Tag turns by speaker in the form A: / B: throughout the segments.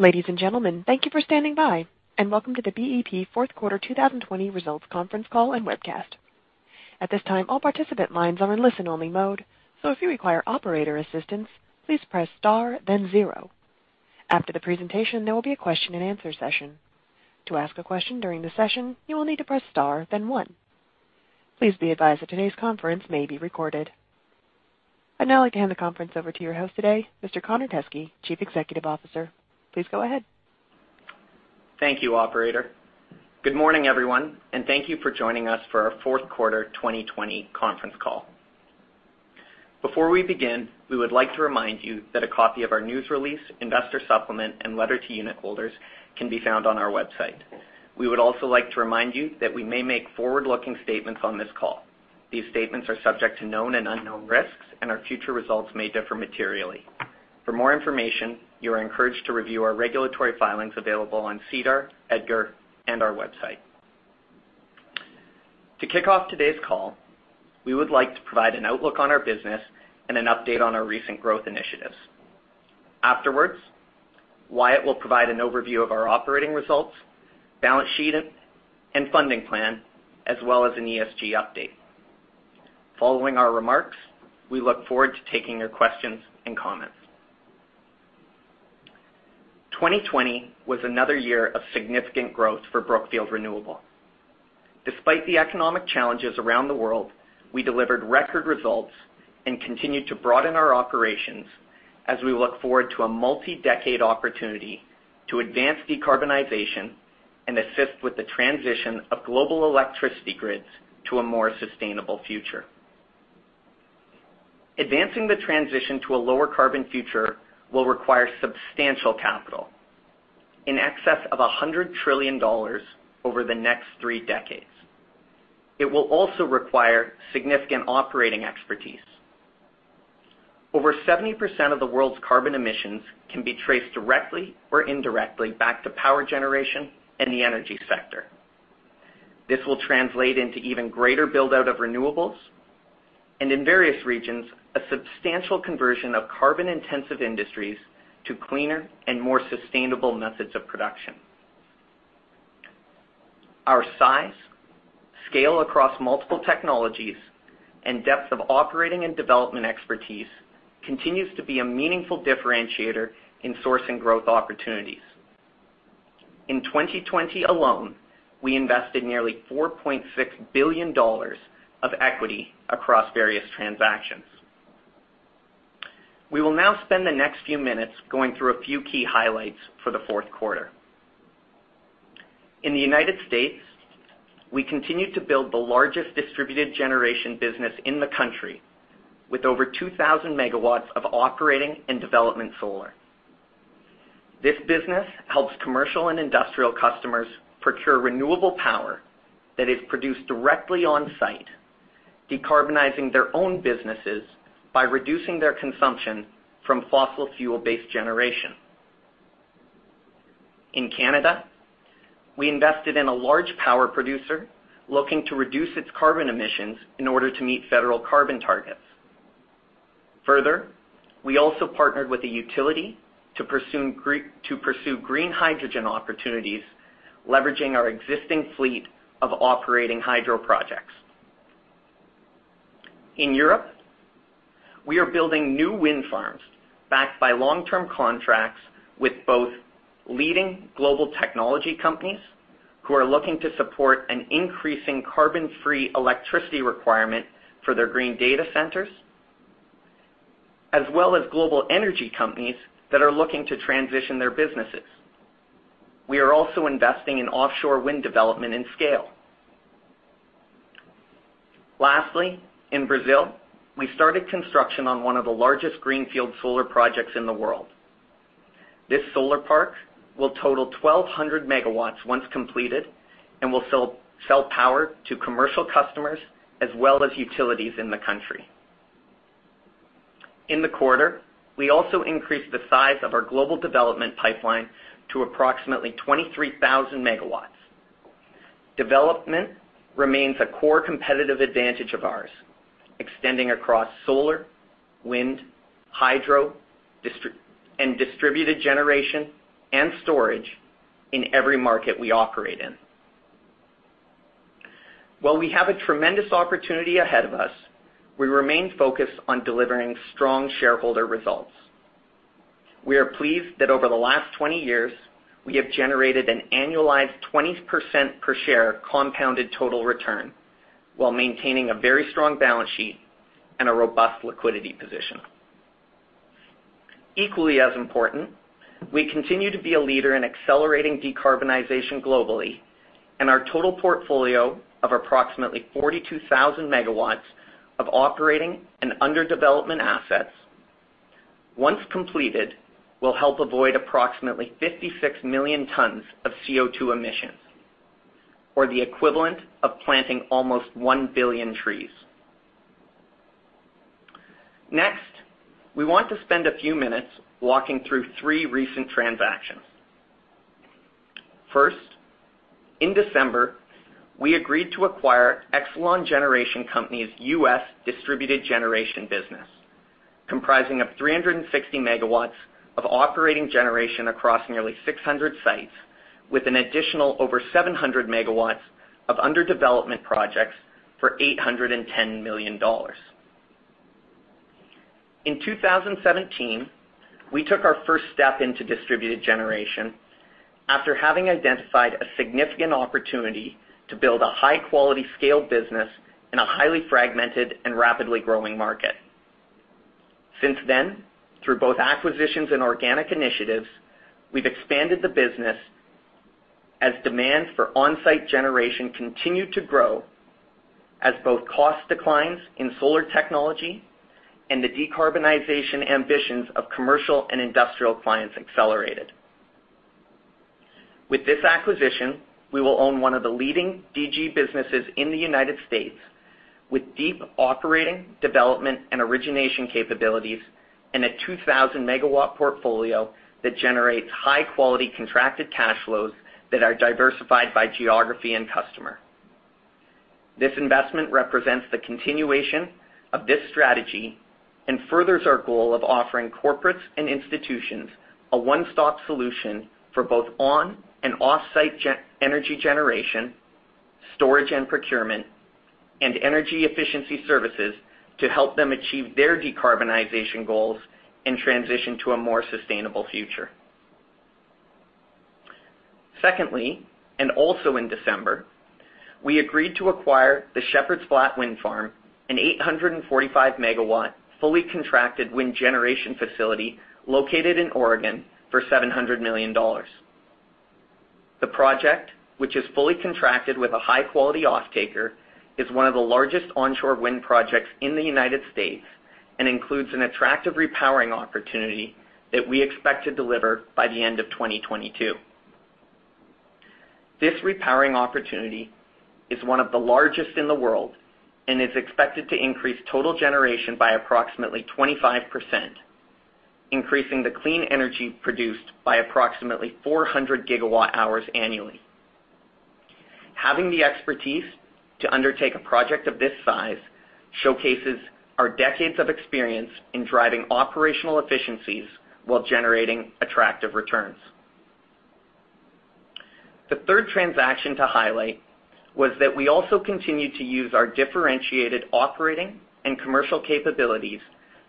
A: Ladies and gentlemen, thank you for standing by and welcome to the BEP Fourth Quarter 2020 Results Conference Call and Webcast. At this time, all participant lines are in listen only mode, so if you require operator assistance, please press star then zero. After the presentation, there will be a question-and-answer session. To ask a question during the session, you will need to press star then one. Please be advised that today's conference may be recorded. I'd now like to hand the conference over to your host today, Mr. Connor Teskey, Chief Executive Officer. Please go ahead.
B: Thank you, operator. Good morning, everyone, and thank you for joining us for our fourth quarter 2020 conference call. Before we begin, we would like to remind you that a copy of our news release, investor supplement, and letter to unit holders can be found on our website. We would also like to remind you that we may make forward-looking statements on this call. These statements are subject to known and unknown risks, and our future results may differ materially. For more information, you are encouraged to review our regulatory filings available on SEDAR, EDGAR, and our website. To kick off today's call, we would like to provide an outlook on our business and an update on our recent growth initiatives. Afterwards, Wyatt will provide an overview of our operating results, balance sheet, and funding plan, as well as an ESG update. Following our remarks, we look forward to taking your questions and comments. 2020 was another year of significant growth for Brookfield Renewable. Despite the economic challenges around the world, we delivered record results and continued to broaden our operations as we look forward to a multi-decade opportunity to advance decarbonization and assist with the transition of global electricity grids to a more sustainable future. Advancing the transition to a lower carbon future will require substantial capital in excess of $100 trillion over the next three decades. It will also require significant operating expertise. Over 70% of the world's carbon emissions can be traced directly or indirectly back to power generation and the energy sector. This will translate into even greater build-out of renewables, and in various regions, a substantial conversion of carbon-intensive industries to cleaner and more sustainable methods of production. Our size, scale across multiple technologies, and depth of operating and development expertise continues to be a meaningful differentiator in sourcing growth opportunities. In 2020 alone, we invested nearly $4.6 billion of equity across various transactions. We will now spend the next few minutes going through a few key highlights for the fourth quarter. In the U.S., we continue to build the largest distributed generation business in the country, with over 2,000 MW of operating and development solar. This business helps commercial and industrial customers procure renewable power that is produced directly on-site, decarbonizing their own businesses by reducing their consumption from fossil fuel-based generation. In Canada, we invested in a large power producer looking to reduce its carbon emissions in order to meet federal carbon targets. Further, we also partnered with a utility to pursue green hydrogen opportunities, leveraging our existing fleet of operating hydro projects. In Europe, we are building new wind farms backed by long-term contracts with both leading global technology companies who are looking to support an increasing carbon-free electricity requirement for their green data centers, as well as global energy companies that are looking to transition their businesses. We are also investing in offshore wind development and scale. In Brazil, we started construction on one of the largest greenfield solar projects in the world. This solar park will total 1,200 MW once completed and will sell power to commercial customers as well as utilities in the country. In the quarter, we also increased the size of our global development pipeline to approximately 23,000 MW. Development remains a core competitive advantage of ours, extending across solar, wind, hydro, and distributed generation and storage in every market we operate in. While we have a tremendous opportunity ahead of us, we remain focused on delivering strong shareholder results. We are pleased that over the last 20 years, we have generated an annualized 20% per share compounded total return while maintaining a very strong balance sheet and a robust liquidity position. Equally as important, our total portfolio of approximately 42,000 MW of operating and under development assets, once completed, will help avoid approximately 56 million tons of CO2 emissions, or the equivalent of planting almost 1 billion trees. Next, we want to spend a few minutes walking through three recent transactions. First, in December, we agreed to acquire Exelon Generation Company's U.S. distributed generation business, comprising of 360 MW of operating generation across nearly 600 sites, with an additional over 700 MW of under-development projects for $810 million. In 2017, we took our first step into distributed generation after having identified a significant opportunity to build a high-quality scale business in a highly fragmented and rapidly growing market. Since then, through both acquisitions and organic initiatives, we've expanded the business as demands for on-site generation continued to grow, as both cost declines in solar technology and the decarbonization ambitions of commercial and industrial clients accelerated. With this acquisition, we will own one of the leading DG businesses in the United States, with deep operating, development, and origination capabilities, and a 2,000 MW portfolio that generates high-quality contracted cash flows that are diversified by geography and customer. This investment represents the continuation of this strategy and furthers our goal of offering corporates and institutions a one-stop solution for both on and off-site energy generation, storage and procurement, and energy efficiency services to help them achieve their decarbonization goals and transition to a more sustainable future. Secondly, also in December, we agreed to acquire the Shepherds Flat Wind Farm, an 845 MW, fully contracted wind generation facility located in Oregon, for $700 million. The project, which is fully contracted with a high-quality off-taker, is one of the largest onshore wind projects in the United States and includes an attractive repowering opportunity that we expect to deliver by the end of 2022. This repowering opportunity is one of the largest in the world and is expected to increase total generation by approximately 25%, increasing the clean energy produced by approximately 400 GWh annually. Having the expertise to undertake a project of this size showcases our decades of experience in driving operational efficiencies while generating attractive returns. The third transaction to highlight was that we also continued to use our differentiated operating and commercial capabilities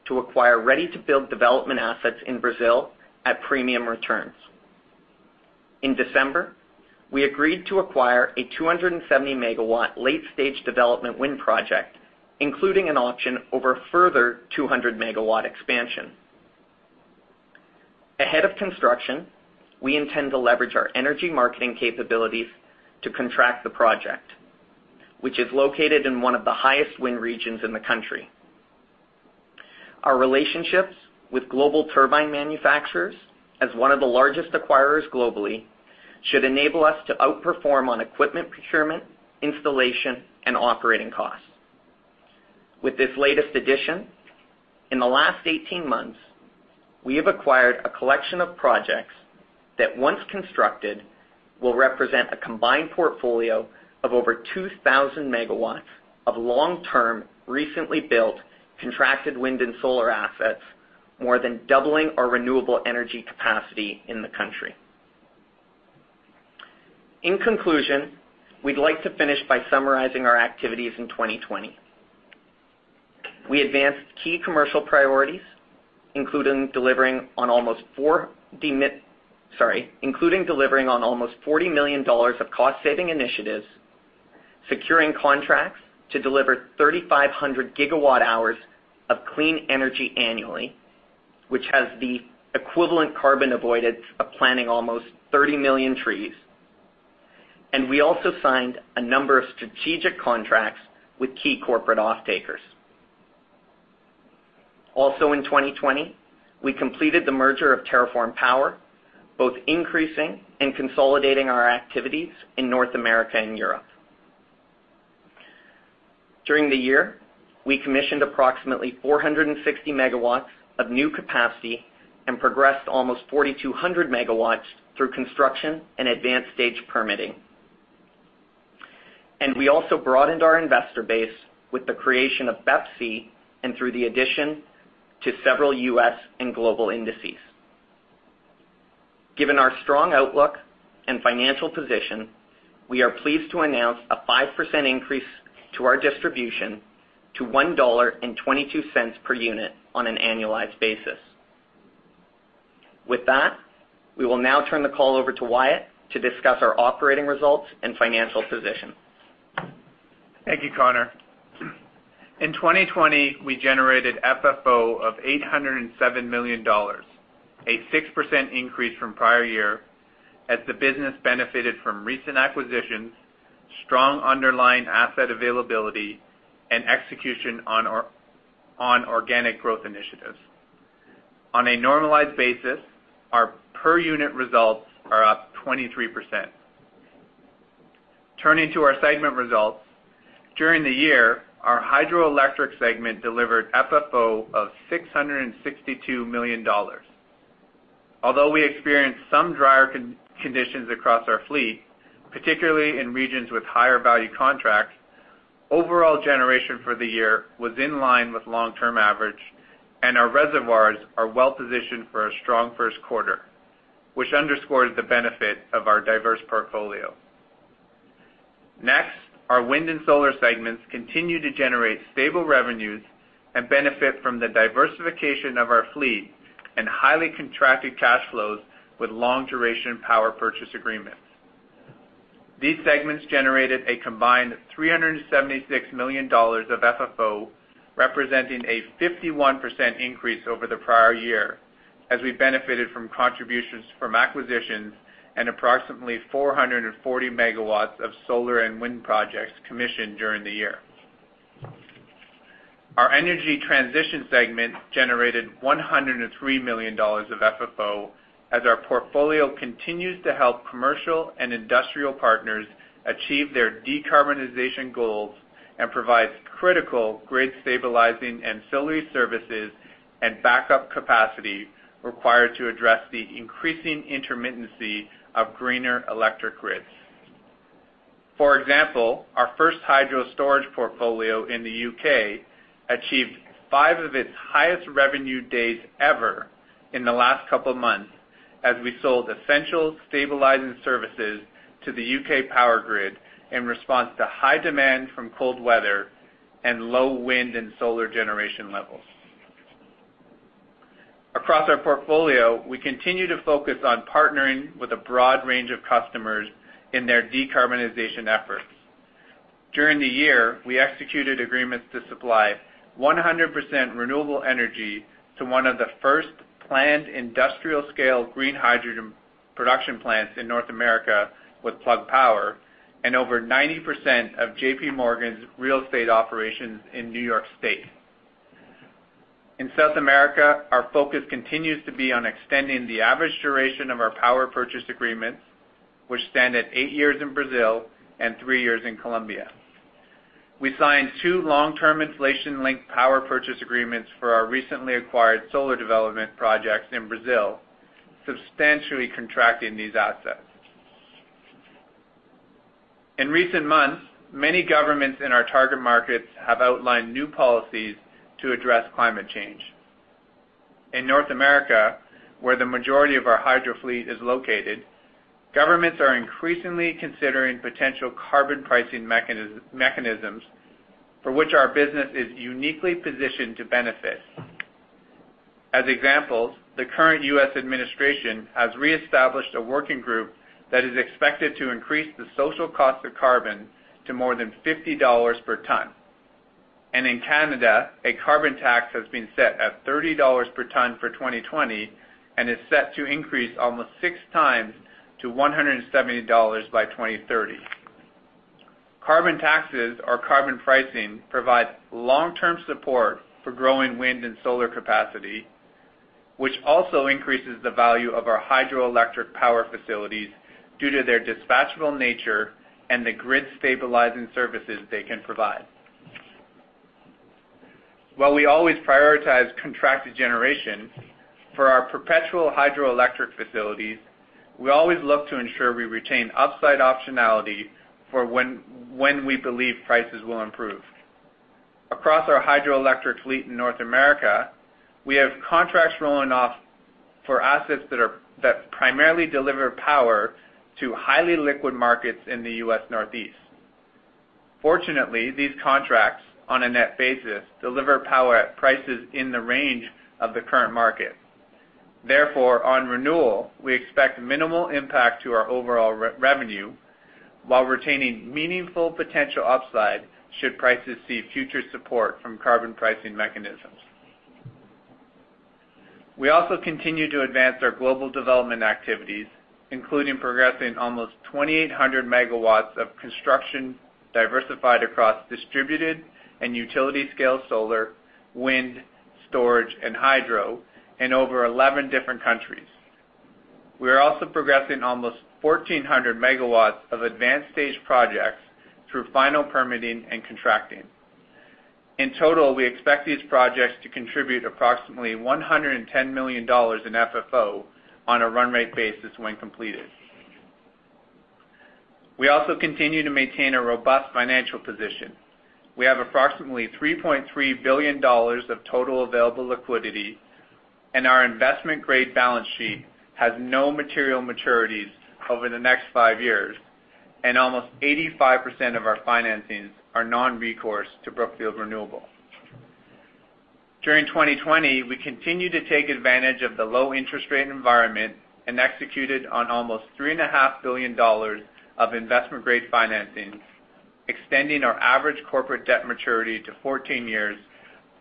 B: to acquire ready-to-build development assets in Brazil at premium returns. In December, we agreed to acquire a 270 MW late-stage development wind project, including an option over a further 200 MW expansion. Ahead of construction, we intend to leverage our energy marketing capabilities to contract the project, which is located in one of the highest wind regions in the country. Our relationships with global turbine manufacturers, as one of the largest acquirers globally, should enable us to outperform on equipment procurement, installation, and operating costs. With this latest addition, in the last 18 months, we have acquired a collection of projects that, once constructed, will represent a combined portfolio of over 2,000 MW of long-term, recently built, contracted wind and solar assets, more than doubling our renewable energy capacity in the country. In conclusion, we'd like to finish by summarizing our activities in 2020. We advanced key commercial priorities, including delivering on almost $40 million of cost-saving initiatives, securing contracts to deliver 3,500 GWh of clean energy annually, which has the equivalent carbon avoidance of planting almost 30 million trees, and we also signed a number of strategic contracts with key corporate off-takers. Also, in 2020, we completed the merger of TerraForm Power, both increasing and consolidating our activities in North America and Europe. During the year, we commissioned approximately 460 MW of new capacity and progressed almost 4,200 MW through construction and advanced-stage permitting. We also broadened our investor base with the creation of BEPC and through the addition to several U.S. and global indices. Given our strong outlook and financial position, we are pleased to announce a 5% increase to our distribution to $1.22 per unit on an annualized basis. With that, we will now turn the call over to Wyatt to discuss our operating results and financial position.
C: Thank you, Connor. In 2020, we generated FFO of $807 million, a 6% increase from prior year, as the business benefited from recent acquisitions, strong underlying asset availability, and execution on organic growth initiatives. On a normalized basis, our per-unit results are up 23%. Turning to our segment results. During the year, our hydroelectric segment delivered FFO of $662 million. Although we experienced some drier conditions across our fleet, particularly in regions with higher value contracts, overall generation for the year was in line with long-term average, and our reservoirs are well-positioned for a strong first quarter, which underscores the benefit of our diverse portfolio. Our wind and solar segments continue to generate stable revenues and benefit from the diversification of our fleet and highly contracted cash flows with long-duration power purchase agreements. These segments generated a combined $376 million of FFO, representing a 51% increase over the prior year, as we benefited from contributions from acquisitions and approximately 440 MW of solar and wind projects commissioned during the year. Our energy transition segment generated $103 million of FFO as our portfolio continues to help commercial and industrial partners achieve their decarbonization goals and provides critical grid-stabilizing ancillary services and backup capacity required to address the increasing intermittency of greener electric grids. For example, our first hydro storage portfolio in the U.K. achieved five of its highest revenue days ever in the last couple of months as we sold essential stabilizing services to the U.K. power grid in response to high demand from cold weather and low wind and solar generation levels. Across our portfolio, we continue to focus on partnering with a broad range of customers in their decarbonization efforts. During the year, we executed agreements to supply 100% renewable energy to one of the first planned industrial-scale green hydrogen production plants in North America with Plug Power and over 90% of JPMorgan's real estate operations in New York State. In South America, our focus continues to be on extending the average duration of our power purchase agreements, which stand at eight years in Brazil and three years in Colombia. We signed two long-term inflation-linked power purchase agreements for our recently acquired solar development projects in Brazil, substantially contracting these assets. In recent months, many governments in our target markets have outlined new policies to address climate change. In North America, where the majority of our hydro fleet is located, governments are increasingly considering potential carbon pricing mechanisms for which our business is uniquely positioned to benefit. As examples, the current U.S. administration has reestablished a working group that is expected to increase the social cost of carbon to more than $50 per ton. In Canada, a carbon tax has been set at $30 per ton for 2020 and is set to increase almost 6x to $170 by 2030. Carbon taxes or carbon pricing provides long-term support for growing wind and solar capacity, which also increases the value of our hydroelectric power facilities due to their dispatchable nature and the grid-stabilizing services they can provide. While we always prioritize contracted generation, for our perpetual hydroelectric facilities, we always look to ensure we retain upside optionality for when we believe prices will improve. Across our hydroelectric fleet in North America, we have contracts rolling off for assets that primarily deliver power to highly liquid markets in the U.S. Northeast. Fortunately, these contracts, on a net basis, deliver power at prices in the range of the current market. Therefore, on renewal, we expect minimal impact to our overall revenue while retaining meaningful potential upside should prices see future support from carbon pricing mechanisms. We also continue to advance our global development activities, including progressing almost 2,800 MW of construction diversified across distributed and utility-scale solar, wind, storage, and hydro in over 11 different countries. We are also progressing almost 1,400 MW of advanced stage projects through final permitting and contracting. In total, we expect these projects to contribute approximately $110 million in FFO on a run-rate basis when completed. We also continue to maintain a robust financial position. We have approximately $3.3 billion of total available liquidity. Our investment-grade balance sheet has no material maturities over the next five years, and almost 85% of our financings are non-recourse to Brookfield Renewable. During 2020, we continued to take advantage of the low interest rate environment and executed on almost $3.5 billion of investment-grade financing, extending our average corporate debt maturity to 14 years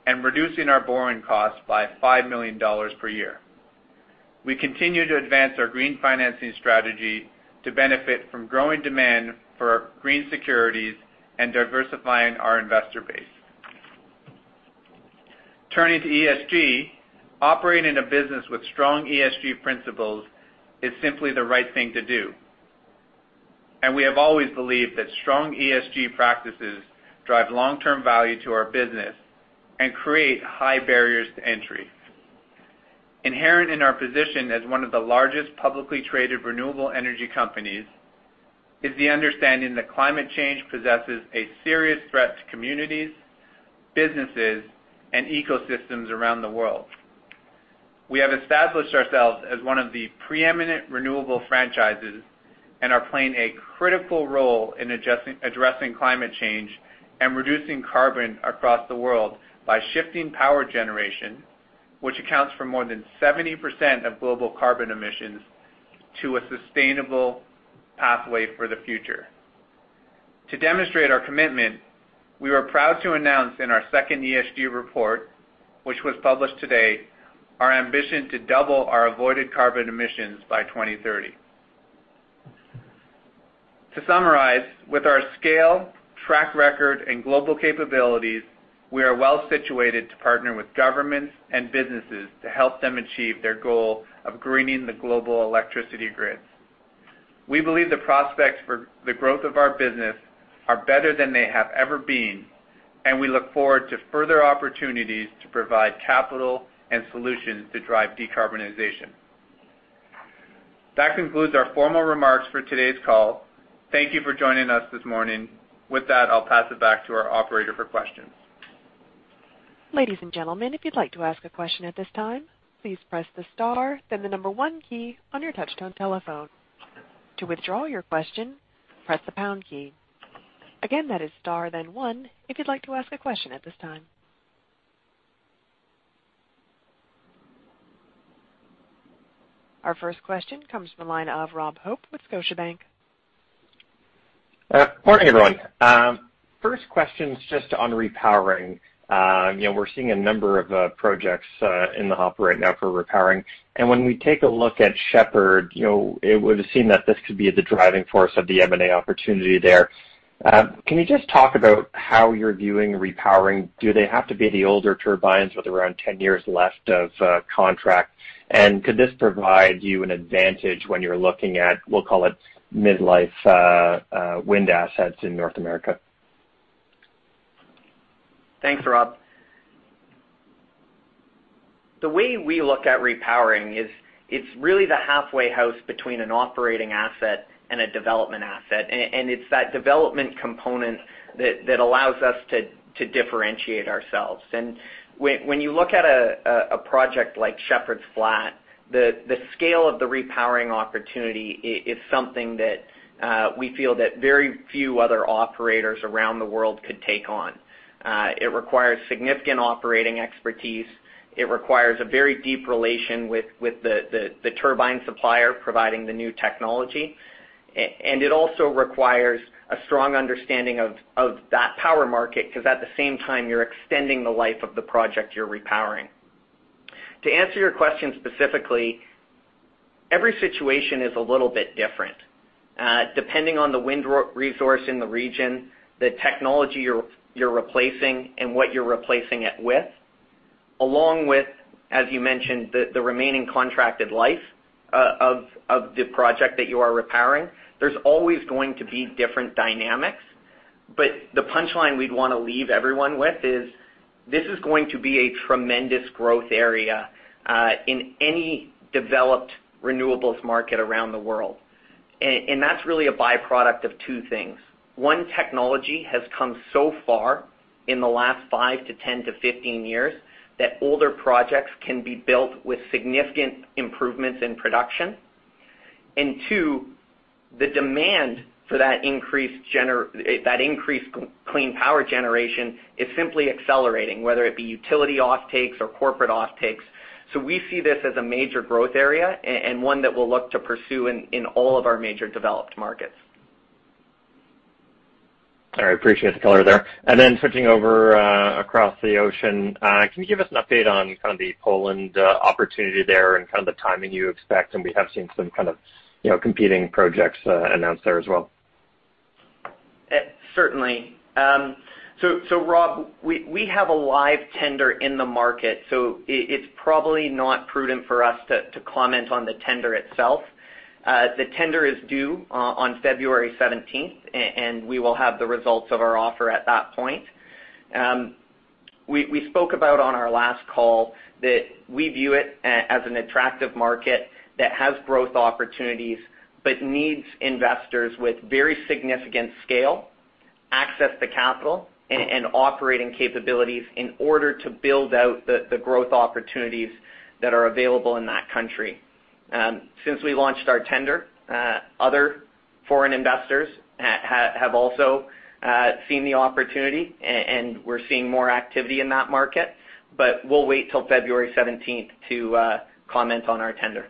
C: and reducing our borrowing costs by $5 million per year. We continue to advance our green financing strategy to benefit from growing demand for green securities and diversifying our investor base. Turning to ESG, operating a business with strong ESG principles is simply the right thing to do. We have always believed that strong ESG practices drive long-term value to our business and create high barriers to entry. Inherent in our position as one of the largest publicly traded renewable energy companies is the understanding that climate change possesses a serious threat to communities, businesses, and ecosystems around the world. We have established ourselves as one of the preeminent renewable franchises and are playing a critical role in addressing climate change and reducing carbon across the world by shifting power generation, which accounts for more than 70% of global carbon emissions, to a sustainable pathway for the future. To demonstrate our commitment, we are proud to announce in our second ESG Report, which was published today, our ambition to double our avoided carbon emissions by 2030. To summarize, with our scale, track record, and global capabilities, we are well-situated to partner with governments and businesses to help them achieve their goal of greening the global electricity grids. We believe the prospects for the growth of our business are better than they have ever been, and we look forward to further opportunities to provide capital and solutions to drive decarbonization. That concludes our formal remarks for today's call. Thank you for joining us this morning. With that, I'll pass it back to our operator for questions.
A: Our first question comes from the line of Rob Hope with Scotiabank.
D: Morning, everyone. First question's just on repowering. We're seeing a number of projects in the hopper right now for repowering. When we take a look at Shepherds Flat, it would seem that this could be the driving force of the M&A opportunity there. Can you just talk about how you're viewing repowering? Do they have to be the older turbines with around 10 years left of contract? Could this provide you an advantage when you're looking at, we'll call it mid-life wind assets in North America?
B: Thanks, Rob. The way we look at repowering is it's really the halfway house between an operating asset and a development asset, and it's that development component that allows us to differentiate ourselves. When you look at a project like Shepherds Flat, the scale of the repowering opportunity is something that we feel that very few other operators around the world could take on. It requires significant operating expertise. It requires a very deep relation with the turbine supplier providing the new technology. It also requires a strong understanding of that power market, because at the same time you're extending the life of the project you're repowering. To answer your question specifically, every situation is a little bit different. Depending on the wind resource in the region, the technology you're replacing, and what you're replacing it with, along with, as you mentioned, the remaining contracted life of the project that you are repowering, there's always going to be different dynamics. The punchline we'd want to leave everyone with is this is going to be a tremendous growth area in any developed renewables market around the world. That's really a byproduct of two things. One, technology has come so far in the last five to 10 to 15 years that older projects can be built with significant improvements in production. Two, the demand for that increased clean power generation is simply accelerating, whether it be utility offtakes or corporate offtakes. We see this as a major growth area and one that we'll look to pursue in all of our major developed markets.
D: All right. Appreciate the color there. Switching over across the ocean, can you give us an update on the Poland opportunity there and the timing you expect? We have seen some competing projects announced there as well.
B: Certainly. Rob, we have a live tender in the market, it's probably not prudent for us to comment on the tender itself. The tender is due on February 17th. We will have the results of our offer at that point. We spoke about on our last call that we view it as an attractive market that has growth opportunities. Needs investors with very significant scale, access to capital, and operating capabilities in order to build out the growth opportunities that are available in that country. Since we launched our tender, other foreign investors have also seen the opportunity. We're seeing more activity in that market. We'll wait till February 17th to comment on our tender.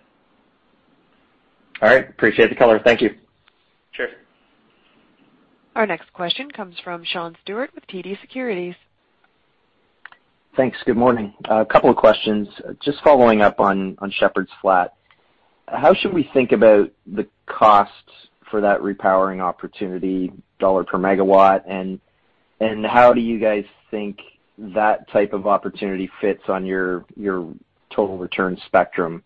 D: All right. Appreciate the color. Thank you.
B: Sure.
A: Our next question comes from Sean Steuart with TD Securities.
E: Thanks. Good morning. A couple of questions. Just following up on Shepherds Flat. How should we think about the costs for that repowering opportunity, $1 per MW? How do you guys think that type of opportunity fits on your total return spectrum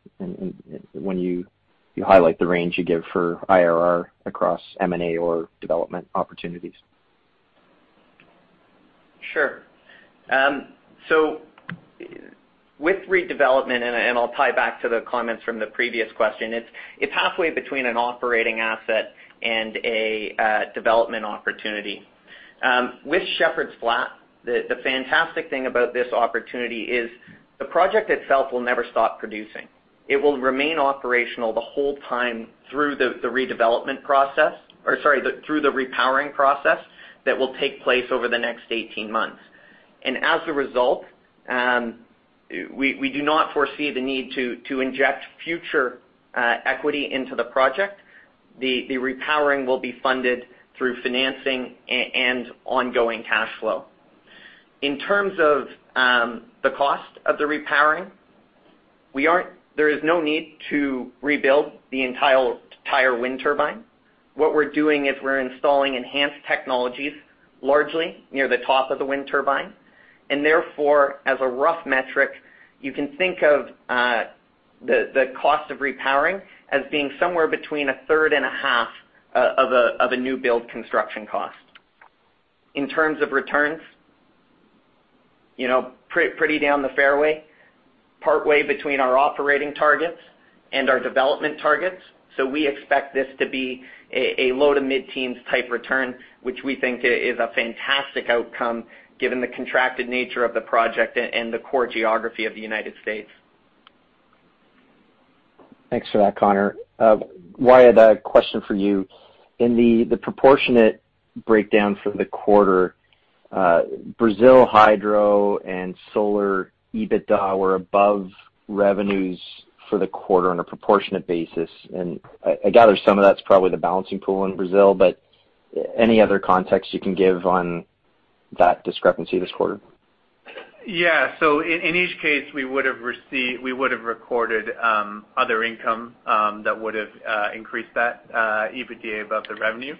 E: when you highlight the range you give for IRR across M&A or development opportunities?
B: Sure. With redevelopment, and I'll tie back to the comments from the previous question, it's halfway between an operating asset and a development opportunity. With Shepherds Flat, the fantastic thing about this opportunity is the project itself will never stop producing. It will remain operational the whole time through the repowering process that will take place over the next 18 months. As a result, we do not foresee the need to inject future equity into the project. The repowering will be funded through financing and ongoing cash flow. In terms of the cost of the repowering, there is no need to rebuild the entire wind turbine. What we're doing is we're installing enhanced technologies, largely near the top of the wind turbine, therefore, as a rough metric, you can think of the cost of repowering as being somewhere between a third and a half of a new build construction cost. In terms of returns, pretty down the fairway, partway between our operating targets and our development targets. We expect this to be a low-to-mid teens type return, which we think is a fantastic outcome given the contracted nature of the project and the core geography of the United States.
E: Thanks for that, Connor. Wyatt, I have a question for you. In the proportionate breakdown for the quarter, Brazil Hydro and Solar EBITDA were above revenues for the quarter on a proportionate basis. I gather some of that's probably the balancing pool in Brazil, but any other context you can give on that discrepancy this quarter?
C: Yeah. In each case, we would have recorded other income, that would have increased that EBITDA above the revenue.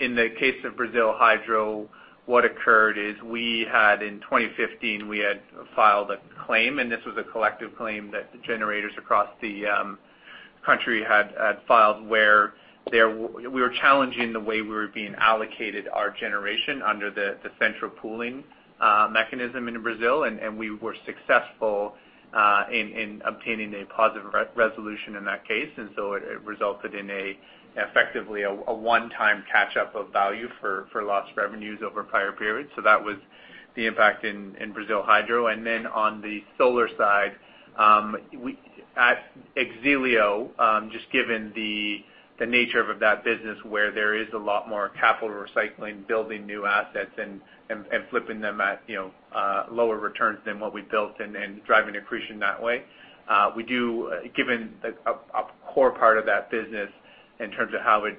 C: In the case of Brazil Hydro, what occurred is in 2015, we had filed a claim, and this was a collective claim that the generators across the country had filed, where we were challenging the way we were being allocated our generation under the central pooling mechanism in Brazil. We were successful in obtaining a positive resolution in that case. It resulted in effectively, a one-time catch-up of value for lost revenues over prior periods. That was the impact in Brazil Hydro. On the solar side, at X-ELIO, just given the nature of that business where there is a lot more capital recycling, building new assets and flipping them at lower returns than what we built, and driving accretion that way. Given a core part of that business in terms of how it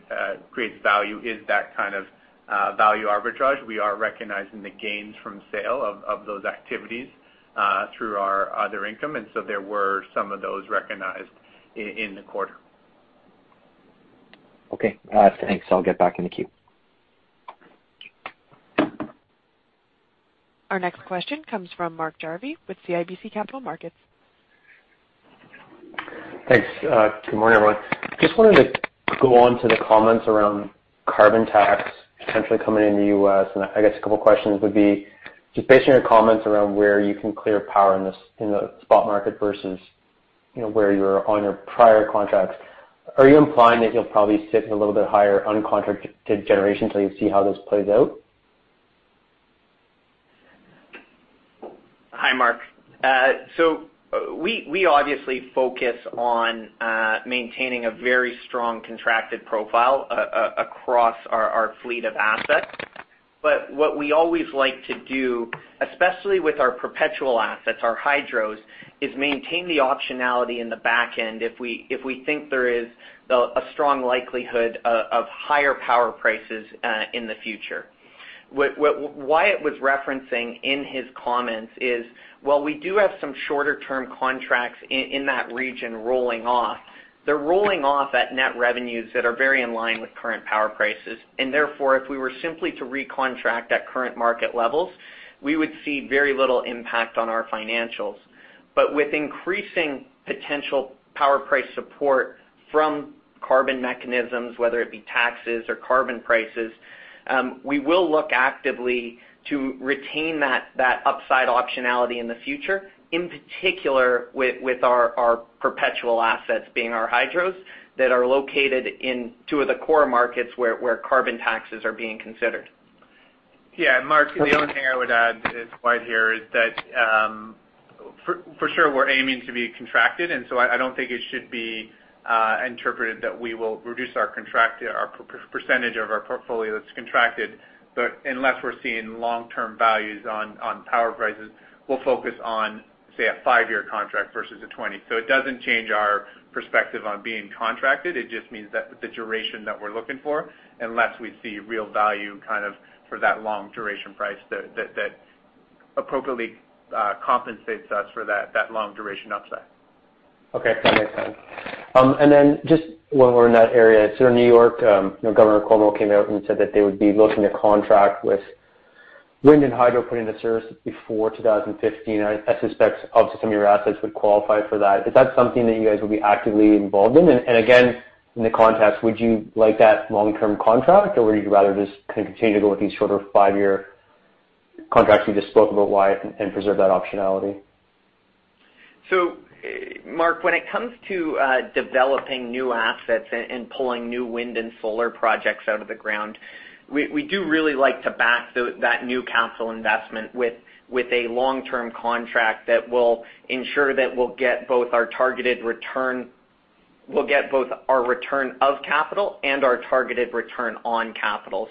C: creates value is that kind of value arbitrage. We are recognizing the gains from sale of those activities through our other income, and so there were some of those recognized in the quarter.
E: Okay. Thanks. I'll get back in the queue.
A: Our next question comes from Mark Jarvi with CIBC Capital Markets.
F: Thanks. Good morning, everyone. Just wanted to go on to the comments around carbon tax potentially coming in the U.S. I guess a couple questions would be, just based on your comments around where you can clear power in the spot market versus where you're on your prior contracts, are you implying that you'll probably sit in a little bit higher uncontracted generation till you see how this plays out?
B: Hi, Mark. We obviously focus on maintaining a very strong contracted profile across our fleet of assets. What we always like to do, especially with our perpetual assets, our hydros, is maintain the optionality in the back end if we think there is a strong likelihood of higher power prices in the future. What Wyatt was referencing in his comments is, while we do have some shorter-term contracts in that region rolling off, they're rolling off at net revenues that are very in line with current power prices, and therefore, if we were simply to recontract at current market levels, we would see very little impact on our financials. With increasing potential power price support from carbon mechanisms, whether it be taxes or carbon prices, we will look actively to retain that upside optionality in the future, in particular with our perpetual assets being our hydros that are located in two of the core markets where carbon taxes are being considered.
C: Yeah. Mark, the only thing I would add to this right here is that, for sure, we're aiming to be contracted, and so I don't think it should be interpreted that we will reduce our percentage of our portfolio that's contracted. Unless we're seeing long-term values on power prices, we'll focus on, say, a five-year contract versus a 20. It doesn't change our perspective on being contracted. It just means that the duration that we're looking for, unless we see real value for that long duration price that. Appropriately compensates us for that long-duration upside.
F: Okay, that makes sense. Just while we're in that area, Southern New York, Governor Cuomo came out and said that they would be looking to contract with wind and hydro put into service before 2015. I suspect obviously some of your assets would qualify for that. Is that something that you guys will be actively involved in? Again, in the context, would you like that long-term contract, or would you rather just continue to go with these shorter five-year contracts you just spoke about why, and preserve that optionality?
B: Mark, when it comes to developing new assets and pulling new wind and solar projects out of the ground, we do really like to back that new capital investment with a long-term contract that will ensure that we'll get both our return of capital and our targeted return on capital.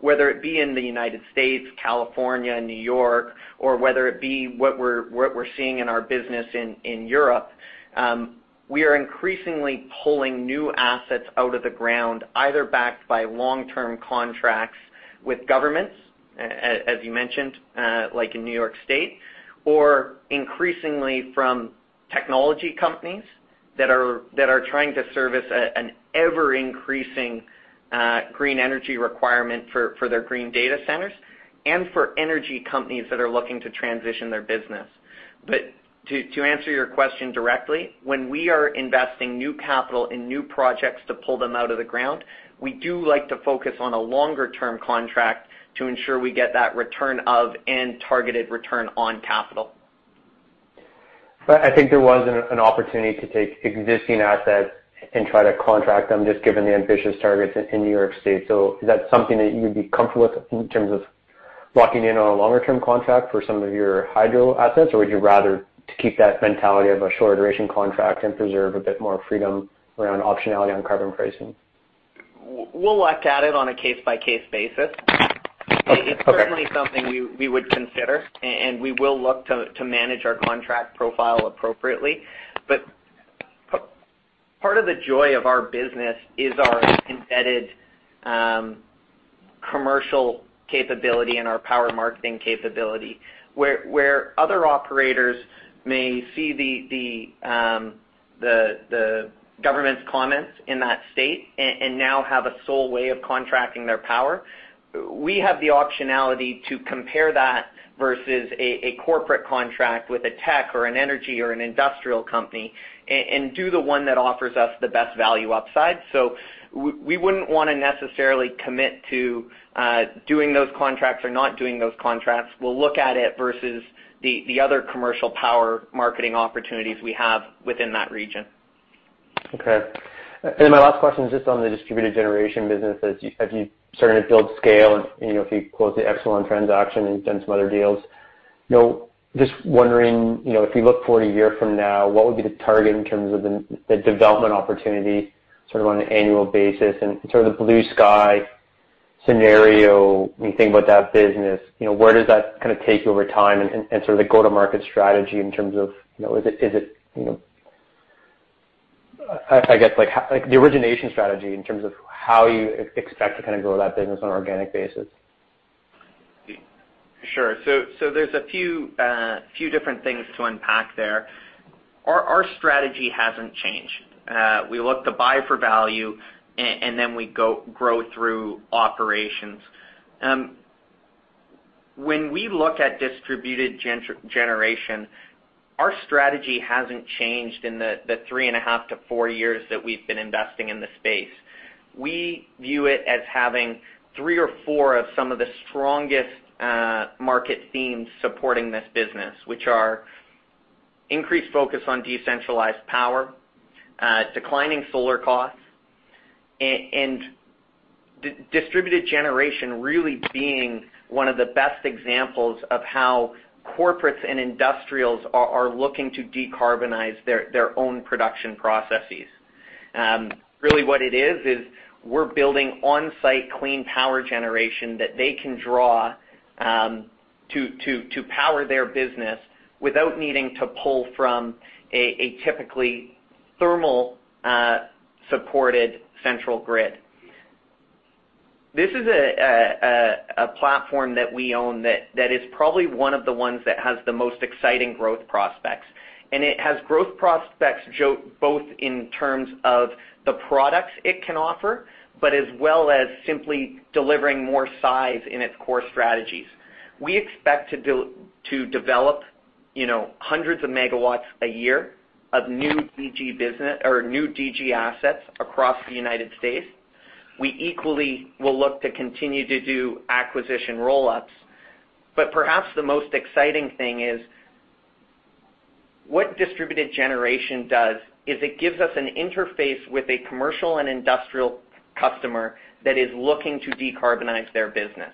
B: Whether it be in the United States, California, New York, or whether it be what we're seeing in our business in Europe, we are increasingly pulling new assets out of the ground, either backed by long-term contracts with governments, as you mentioned, like in New York State, or increasingly from technology companies that are trying to service an ever-increasing, green energy requirement for their green data centers, and for energy companies that are looking to transition their business. To answer your question directly, when we are investing new capital in new projects to pull them out of the ground, we do like to focus on a longer-term contract to ensure we get that return of and targeted return on capital.
F: I think there was an opportunity to take existing assets and try to contract them, just given the ambitious targets in New York State. Is that something that you'd be comfortable with in terms of locking in on a longer-term contract for some of your hydro assets? Would you rather to keep that mentality of a short-duration contract and preserve a bit more freedom around optionality on carbon pricing?
B: We'll look at it on a case-by-case basis.
F: Okay.
B: It's certainly something we would consider, and we will look to manage our contract profile appropriately. Part of the joy of our business is our embedded commercial capability and our power marketing capability. Where other operators may see the government's comments in that state and now have a sole way of contracting their power, we have the optionality to compare that versus a corporate contract with a tech or an energy or an industrial company, and do the one that offers us the best value upside. We wouldn't want to necessarily commit to doing those contracts or not doing those contracts. We'll look at it versus the other commercial power marketing opportunities we have within that region.
F: Okay. Then my last question is just on the distributed generation business. As you starting to build scale and if you close the Exelon transaction and you've done some other deals, just wondering, if you look forward a year from now, what would be the target in terms of the development opportunity sort of on an annual basis and sort of the blue sky scenario when you think about that business, where does that kind of take you over time, and sort of the go-to-market strategy in terms of, is it, I guess, like, the origination strategy in terms of how you expect to kind of grow that business on an organic basis?
B: Sure. There's a few different things to unpack there. Our strategy hasn't changed. We look to buy for value, and then we grow through operations. When we look at distributed generation, our strategy hasn't changed in the three and a half to four years that we've been investing in the space. We view it as having three or four of some of the strongest market themes supporting this business, which are increased focus on decentralized power, declining solar costs, and distributed generation really being one of the best examples of how corporates and industrials are looking to decarbonize their own production processes. Really what it is we're building on-site clean power generation that they can draw to power their business without needing to pull from a typically thermal-supported central grid. This is a platform that we own that is probably one of the ones that has the most exciting growth prospects. It has growth prospects both in terms of the products it can offer, but as well as simply delivering more size in its core strategies. We expect to develop hundreds of megawatts a year of new DG assets across the U.S. We equally will look to continue to do acquisition roll-ups. Perhaps the most exciting thing is, what distributed generation does is it gives us an interface with a commercial and industrial customer that is looking to decarbonize their business.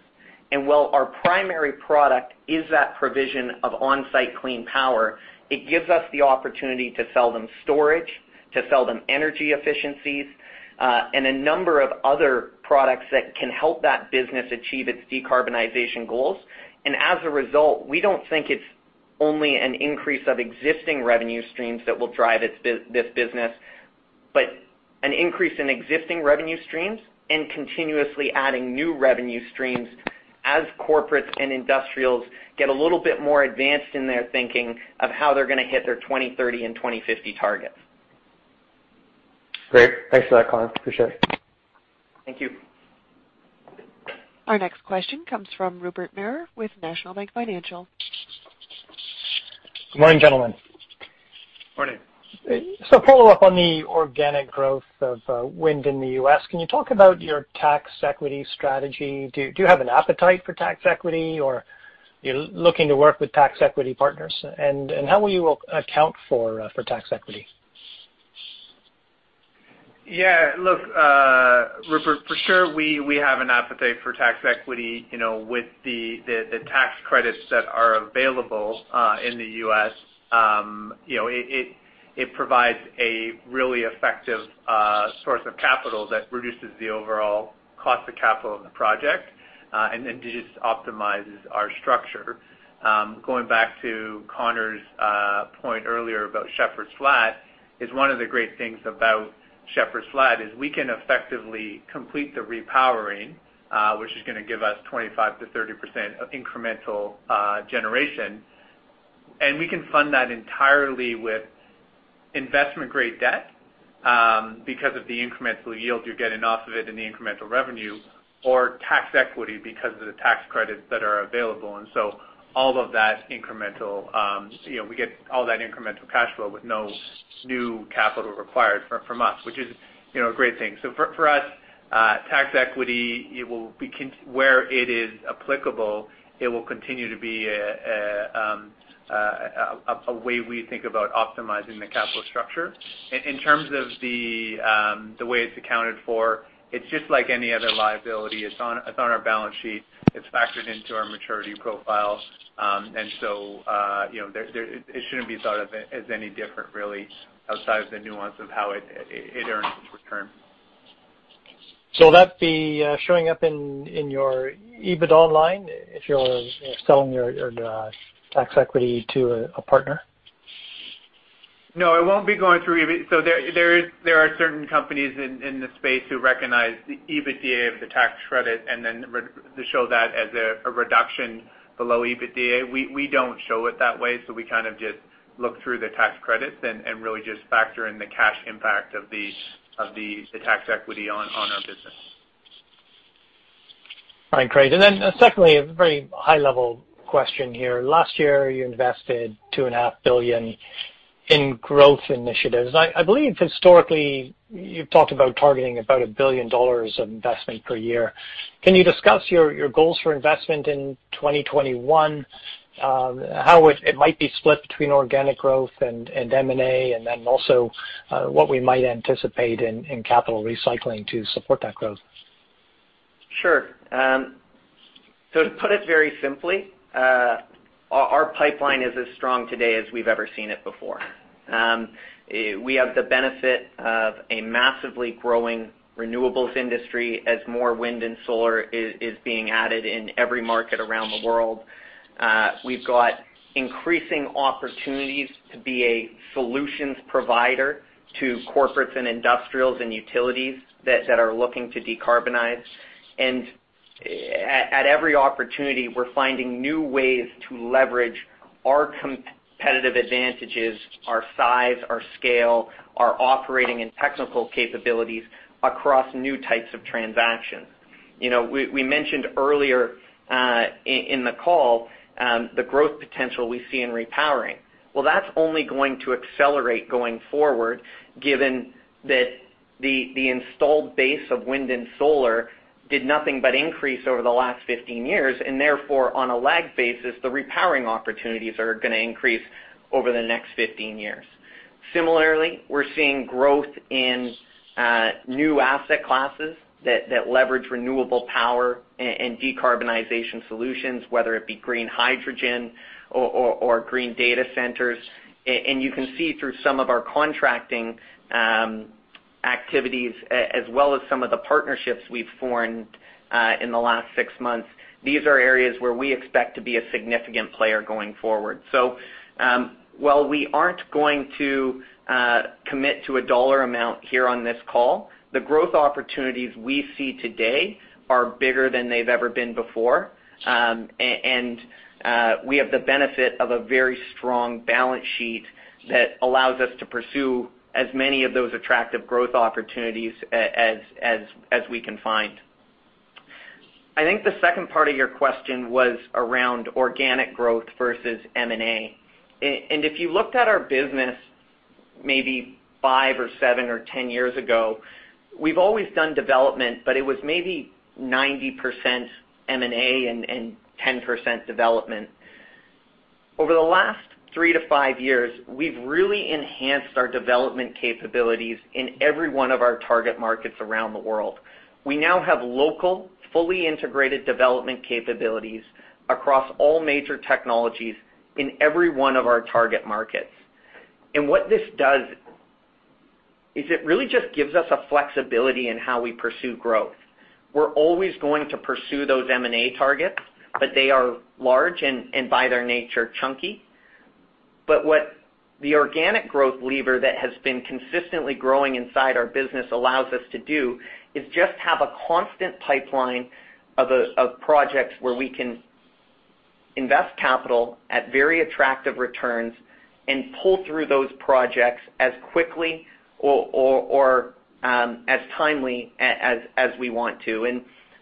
B: While our primary product is that provision of on-site clean power, it gives us the opportunity to sell them storage, to sell them energy efficiencies, and a number of other products that can help that business achieve its decarbonization goals. As a result, we don't think it's only an increase of existing revenue streams that will drive this business. An increase in existing revenue streams and continuously adding new revenue streams as corporates and industrials get a little bit more advanced in their thinking of how they're going to hit their 2030 and 2050 targets.
F: Great. Thanks for that, Connor. Appreciate it.
B: Thank you.
A: Our next question comes from Rupert Merer with National Bank Financial.
G: Good morning, gentlemen.
B: Morning.
G: Follow up on the organic growth of wind in the U.S. Can you talk about your tax equity strategy? Do you have an appetite for tax equity, or you're looking to work with tax equity partners? How will you account for tax equity?
C: Yeah. Look, Rupert, for sure, we have an appetite for tax equity, with the tax credits that are available, in the U.S. It provides a really effective source of capital that reduces the overall cost of capital in the project, and it just optimizes our structure. Going back to Connor's point earlier about Shepherds Flat, is one of the great things about Shepherds Flat, is we can effectively complete the repowering, which is going to give us 25%-30% of incremental generation. We can fund that entirely with investment-grade debt, because of the incremental yield you're getting off of it and the incremental revenue or tax equity because of the tax credits that are available. We get all that incremental cash flow with no new capital required from us, which is a great thing. For us, tax equity, where it is applicable, it will continue to be a way we think about optimizing the capital structure. In terms of the way it's accounted for, it's just like any other liability. It's on our balance sheet. It's factored into our maturity profile. It shouldn't be thought of as any different, really, outside of the nuance of how it earns its return.
G: Will that be showing up in your EBITDA line if you're selling your tax equity to a partner?
C: No, it won't be going through. There are certain companies in the space who recognize the EBITDA of the tax credit and then show that as a reduction below EBITDA. We don't show it that way. We just look through the tax credits and really just factor in the cash impact of the tax equity on our business.
G: All right, great. Secondly, a very high-level question here. Last year, you invested $2.5 billion in growth initiatives. I believe historically, you've talked about targeting about $1 billion of investment per year. Can you discuss your goals for investment in 2021? How it might be split between organic growth and M&A, and then also what we might anticipate in capital recycling to support that growth.
B: Sure. To put it very simply, our pipeline is as strong today as we've ever seen it before. We have the benefit of a massively growing renewables industry as more wind and solar is being added in every market around the world. We've got increasing opportunities to be a solutions provider to corporates and industrials and utilities that are looking to decarbonize. At every opportunity, we're finding new ways to leverage our competitive advantages, our size, our scale, our operating and technical capabilities across new types of transactions. We mentioned earlier, in the call, the growth potential we see in repowering. That's only going to accelerate going forward given that the installed base of wind and solar did nothing but increase over the last 15 years, and therefore, on a lag basis, the repowering opportunities are going to increase over the next 15 years. Similarly, we're seeing growth in new asset classes that leverage renewable power and decarbonization solutions, whether it be green hydrogen or green data centers. You can see through some of our contracting activities, as well as some of the partnerships we've formed in the last six months. These are areas where we expect to be a significant player going forward. While we aren't going to commit to a dollar amount here on this call, the growth opportunities we see today are bigger than they've ever been before. We have the benefit of a very strong balance sheet that allows us to pursue as many of those attractive growth opportunities as we can find. I think the second part of your question was around organic growth versus M&A. If you looked at our business maybe five or seven or 10 years ago, we've always done development, but it was maybe 90% M&A and 10% development. Over the last three to five years, we've really enhanced our development capabilities in every one of our target markets around the world. We now have local, fully integrated development capabilities across all major technologies in every one of our target markets. What this does is it really just gives us a flexibility in how we pursue growth. We're always going to pursue those M&A targets, but they are large and by their nature, chunky. What the organic growth lever that has been consistently growing inside our business allows us to do is just have a constant pipeline of projects where we can invest capital at very attractive returns and pull through those projects as quickly or as timely as we want.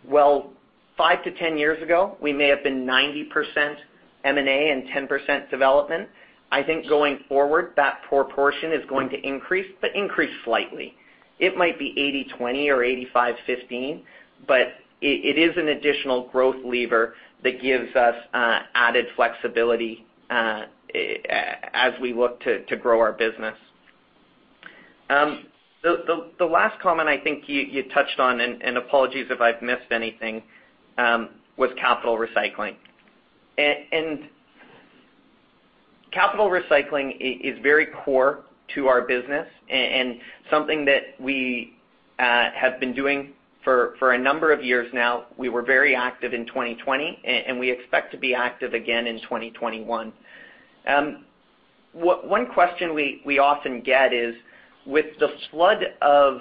B: While five to ten years ago, we may have been 90% M&A and 10% development, I think going forward, that proportion is going to increase, but increase slightly. It might be 80/20 or 85/15, but it is an additional growth lever that gives us added flexibility as we look to grow our business. The last comment I think you touched on, and apologies if I've missed anything, was capital recycling. Capital recycling is very core to our business and something that we have been doing for a number of years now. We were very active in 2020, and we expect to be active again in 2021. One question we often get is, with the flood of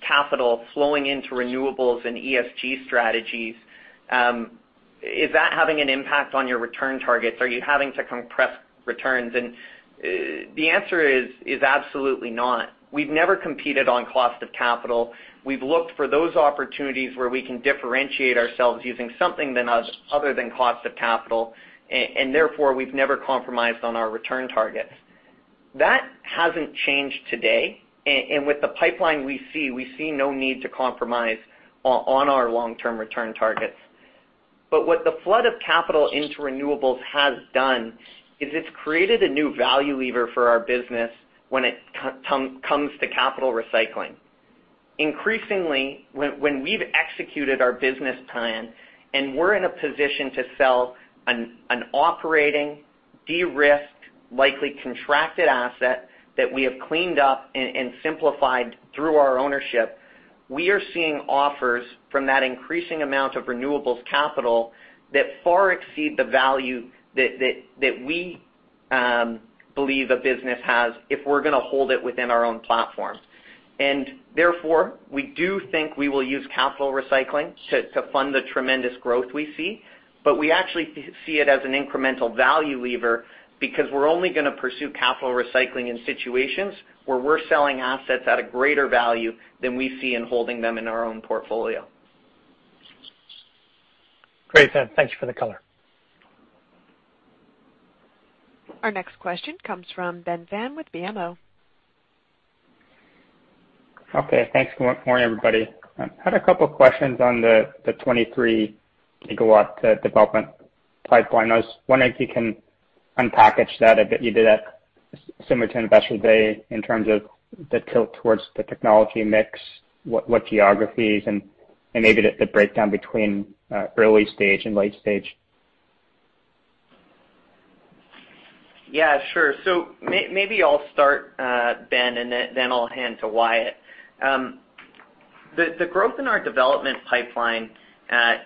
B: capital flowing into renewables and ESG strategies, is that having an impact on your return targets? Are you having to compress returns? The answer is absolutely not. We've never competed on cost of capital. We've looked for those opportunities where we can differentiate ourselves using something other than cost of capital, and therefore, we've never compromised on our return targets. That hasn't changed today. With the pipeline we see, we see no need to compromise on our long-term return targets. What the flood of capital into renewables has done is it's created a new value lever for our business when it comes to capital recycling. Increasingly, when we've executed our business plan and we're in a position to sell an operating, de-risked, likely contracted asset that we have cleaned up and simplified through our ownership, we are seeing offers from that increasing amount of renewables capital that far exceed the value that we believe a business has if we're going to hold it within our own platform. Therefore, we do think we will use capital recycling to fund the tremendous growth we see. We actually see it as an incremental value lever because we're only going to pursue capital recycling in situations where we're selling assets at a greater value than we see in holding them in our own portfolio.
G: Great, Ben. Thanks for the color.
A: Our next question comes from Ben Pham with BMO.
H: Okay, thanks. Good morning, everybody. I had a couple questions on the 23 GW development pipeline. I was wondering if you can unpackage that, if you did that similar to Investor Day in terms of the tilt towards the technology mix, what geographies, and maybe the breakdown between early stage and late stage?
B: Yeah, sure. Maybe I'll start, Ben, and then I'll hand to Wyatt. The growth in our development pipeline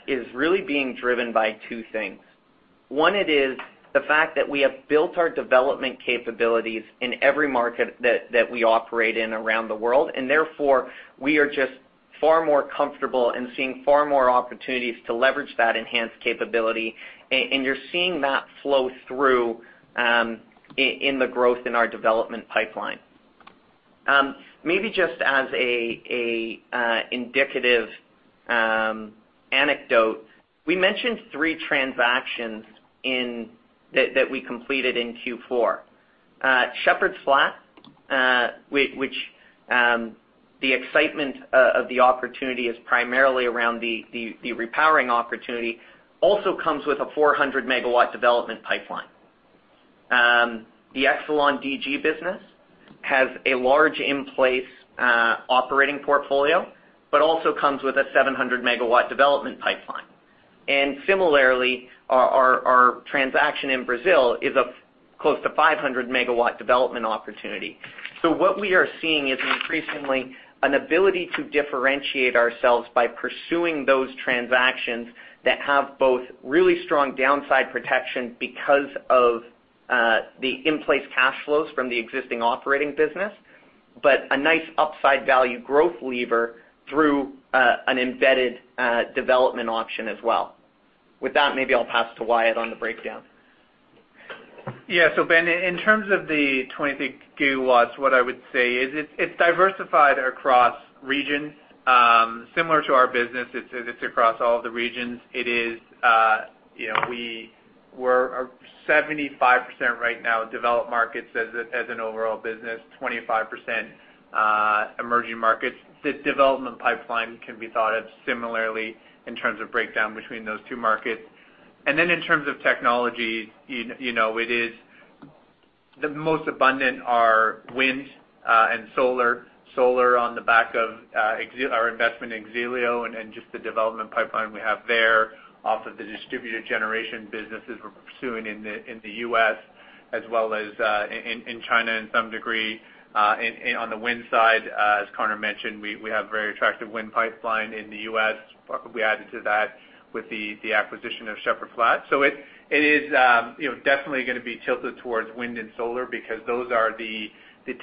B: is really being driven by two things. One, it is the fact that we have built our development capabilities in every market that we operate in around the world, and therefore, we are just far more comfortable and seeing far more opportunities to leverage that enhanced capability. You're seeing that flow through in the growth in our development pipeline. Maybe just as a indicative anecdote, we mentioned three transactions that we completed in Q4. Shepherds Flat which the excitement of the opportunity is primarily around the repowering opportunity, also comes with a 400 MW development pipeline. The Exelon DG business has a large in-place operating portfolio, also comes with a 700 MW development pipeline. Similarly, our transaction in Brazil is close to 500 MW development opportunity. What we are seeing is increasingly an ability to differentiate ourselves by pursuing those transactions that have both really strong downside protection because of the in-place cash flows from the existing operating business, but a nice upside value growth lever through an embedded development option as well. With that, maybe I'll pass to Wyatt on the breakdown.
C: Yeah. Ben, in terms of the 23 GW, what I would say is it's diversified across regions. Similar to our business, it's across all the regions. We're 75% right now developed markets as an overall business, 25% emerging markets. The development pipeline can be thought of similarly in terms of breakdown between those two markets. Then in terms of technology, the most abundant are wind and solar. Solar on the back of our investment in X-Elio and just the development pipeline we have there off of the distributed generation businesses we're pursuing in the U.S. As well as in China in some degree. On the wind side, as Connor mentioned, we have a very attractive wind pipeline in the U.S. Probably added to that with the acquisition of Shepherds Flat. It is definitely going to be tilted towards wind and solar because those are the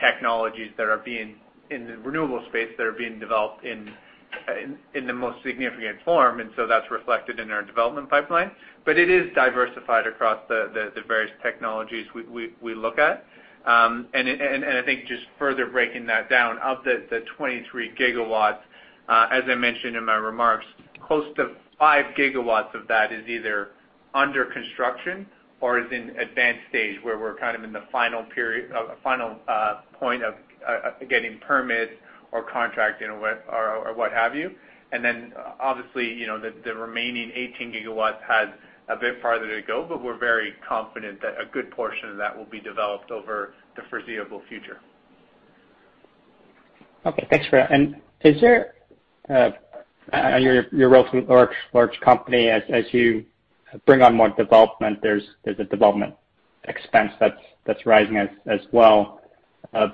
C: technologies in the renewable space that are being developed in the most significant form. That's reflected in our development pipeline. It is diversified across the various technologies we look at. I think just further breaking that down, of the 23 GW, as I mentioned in my remarks, close to 5 GW of that is either under construction or is in advanced stage, where we're kind of in the final point of getting permits or contracting, or what have you. Obviously, the remaining 18 GW has a bit farther to go, but we're very confident that a good portion of that will be developed over the foreseeable future.
H: Okay. Thanks for that. You're a relatively large company. As you bring on more development, there's a development expense that's rising as well.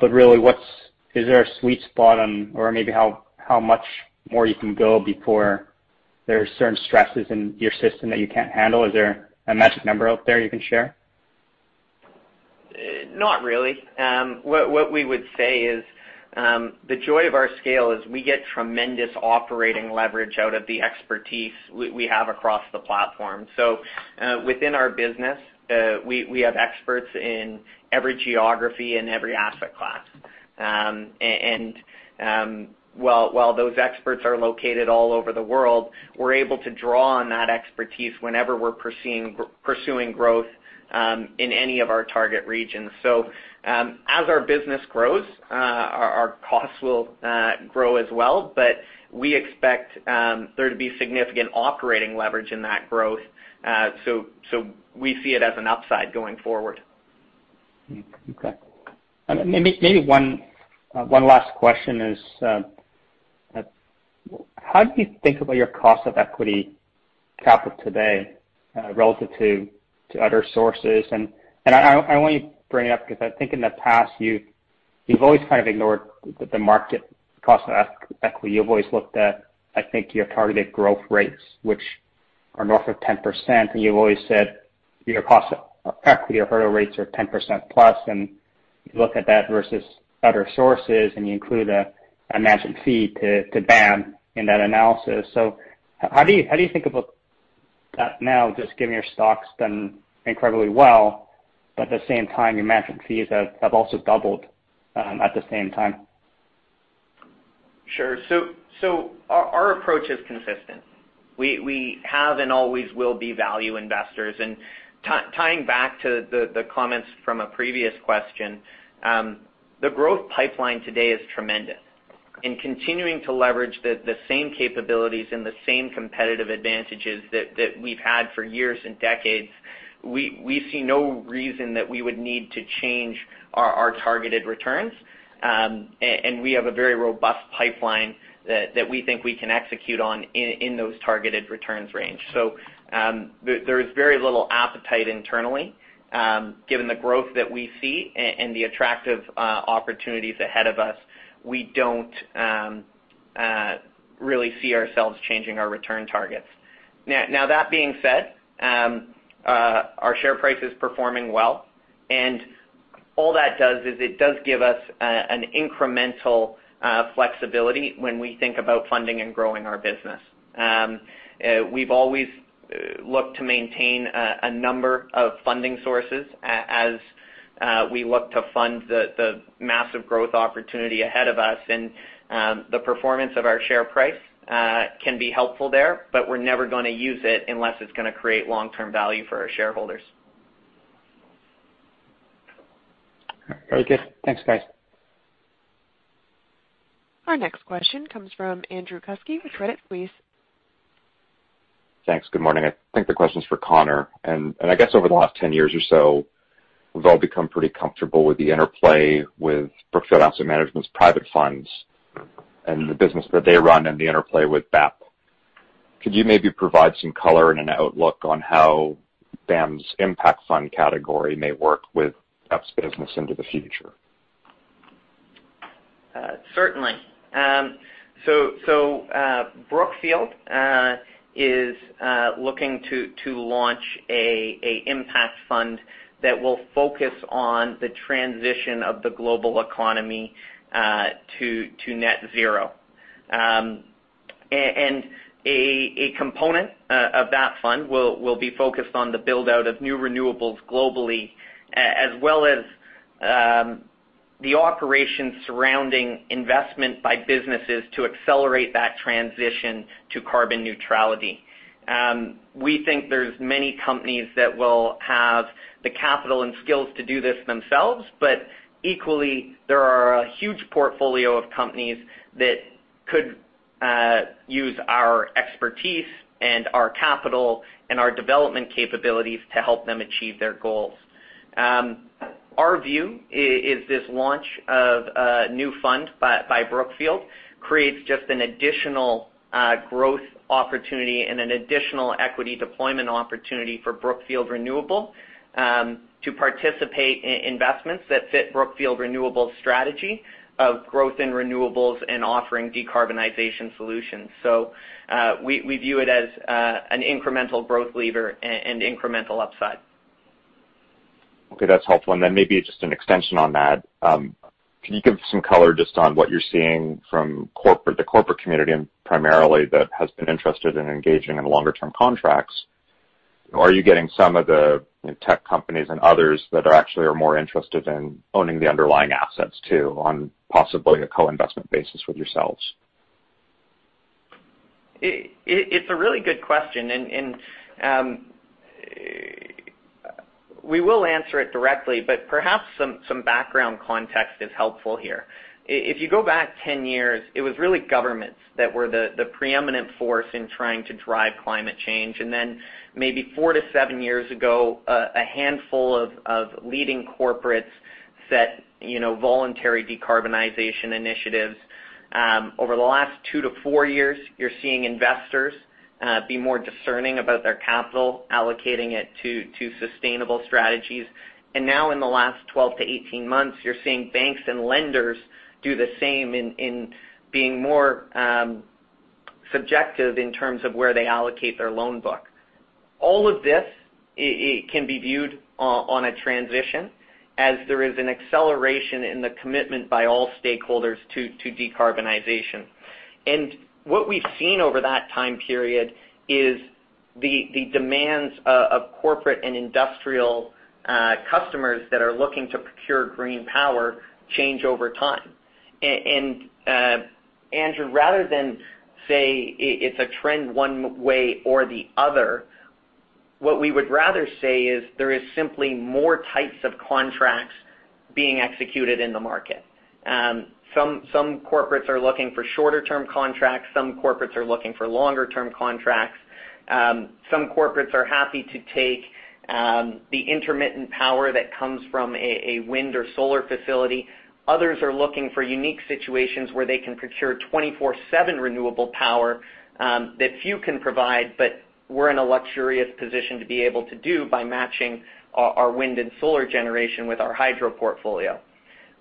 H: Really, is there a sweet spot on, or maybe how much more you can go before there are certain stresses in your system that you can't handle? Is there a magic number out there you can share?
B: Not really. What we would say is, the joy of our scale is we get tremendous operating leverage out of the expertise we have across the platform. Within our business, we have experts in every geography and every asset class. While those experts are located all over the world, we're able to draw on that expertise whenever we're pursuing growth in any of our target regions. As our business grows, our costs will grow as well. We expect there to be significant operating leverage in that growth. We see it as an upside going forward.
H: Okay. Maybe one last question is, how do you think about your cost of equity capital today relative to other sources? I only bring it up because I think in the past, you've always kind of ignored the market cost of equity. You've always looked at, I think, your targeted growth rates, which are north of 10%, and you've always said your cost of equity or hurdle rates are 10%+, and you look at that versus other sources, and you include a management fee to BAM in that analysis. How do you think about that now, just given your stock's done incredibly well, but at the same time, your management fees have also doubled at the same time?
B: Sure. Our approach is consistent. We have and always will be value investors. Tying back to the comments from a previous question, the growth pipeline today is tremendous. In continuing to leverage the same capabilities and the same competitive advantages that we've had for years and decades, we see no reason that we would need to change our targeted returns. We have a very robust pipeline that we think we can execute on in those targeted returns range. There is very little appetite internally, given the growth that we see and the attractive opportunities ahead of us. We don't really see ourselves changing our return targets. That being said, our share price is performing well, and all that does is it does give us an incremental flexibility when we think about funding and growing our business. We've always looked to maintain a number of funding sources as we look to fund the massive growth opportunity ahead of us, and the performance of our share price can be helpful there, but we're never going to use it unless it's going to create long-term value for our shareholders.
H: Very good. Thanks, guys.
A: Our next question comes from Andrew Kuske with Credit Suisse.
I: Thanks. Good morning. I think the question's for Connor. I guess over the last 10 years or so, we've all become pretty comfortable with the interplay with Brookfield Asset Management's private funds and the business that they run and the interplay with BAM. Could you maybe provide some color and an outlook on how BAM's impact fund category may work with BAM's business into the future?
B: Certainly. Brookfield is looking to launch an impact fund that will focus on the transition of the global economy to net zero. A component of that fund will be focused on the build-out of new renewables globally, as well as the operations surrounding investment by businesses to accelerate that transition to carbon neutrality. We think there's many companies that will have the capital and skills to do this themselves, but equally, there are a huge portfolio of companies that could use our expertise and our capital and our development capabilities to help them achieve their goals. Our view is this launch of a new fund by Brookfield creates just an additional growth opportunity and an additional equity deployment opportunity for Brookfield Renewable to participate in investments that fit Brookfield Renewable's strategy of growth in renewables and offering decarbonization solutions. We view it as an incremental growth lever and incremental upside.
I: Okay, that's helpful. Then maybe just an extension on that. Can you give some color just on what you're seeing from the corporate community, primarily that has been interested in engaging in longer-term contracts? Are you getting some of the tech companies and others that are actually are more interested in owning the underlying assets too, on possibly a co-investment basis with yourselves?
B: It's a really good question. We will answer it directly, but perhaps some background context is helpful here. If you go back 10 years, it was really governments that were the preeminent force in trying to drive climate change. Maybe four to seven years ago, a handful of leading corporates set voluntary decarbonization initiatives. Over the last two to four years, you're seeing investors be more discerning about their capital, allocating it to sustainable strategies. Now in the last 12-18 months, you're seeing banks and lenders do the same in being more subjective in terms of where they allocate their loan book. All of this can be viewed on a transition as there is an acceleration in the commitment by all stakeholders to decarbonization. What we've seen over that time period is the demands of corporate and industrial customers that are looking to procure green power change over time. Andrew, rather than say it's a trend one way or the other, what we would rather say is there is simply more types of contracts being executed in the market. Some corporates are looking for shorter-term contracts. Some corporates are looking for longer-term contracts. Some corporates are happy to take the intermittent power that comes from a wind or solar facility. Others are looking for unique situations where they can procure 24/7 renewable power that few can provide, but we're in a luxurious position to be able to do by matching our wind and solar generation with our hydro portfolio.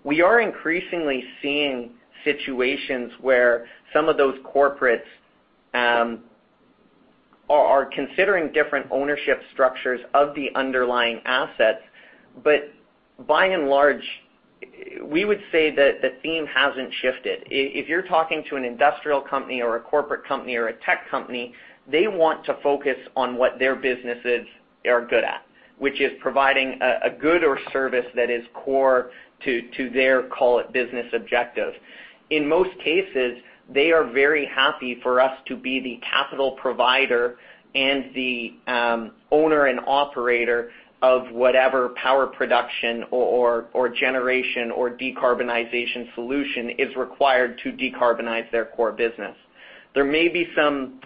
B: We are increasingly seeing situations where some of those corporates are considering different ownership structures of the underlying assets, but by and large, we would say that the theme hasn't shifted. If you're talking to an industrial company or a corporate company or a tech company, they want to focus on what their businesses are good at, which is providing a good or service that is core to their, call it, business objective. In most cases, they are very happy for us to be the capital provider and the owner and operator of whatever power production or generation or decarbonization solution is required to decarbonize their core business. There may be some